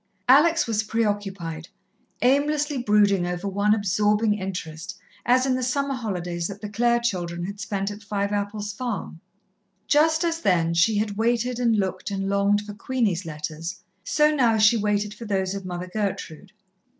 Alex was preoccupied, aimlessly brooding over one absorbing interest, as in the summer holidays that the Clare children had spent at Fiveapples Farm. Just as then she had waited and looked and longed for Queenie's letters, so now she waited for those of Mother Gertrude.